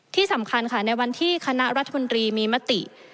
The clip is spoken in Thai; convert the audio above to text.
ที่สำคัญค่ะในวันที่คณะรัฐมนตรีมีมติ